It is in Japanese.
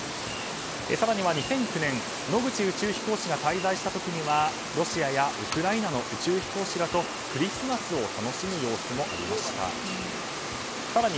更には２００９年野口宇宙飛行士が滞在した時にはロシアやウクライナの宇宙飛行士らとクリスマスを楽しむ様子もありました。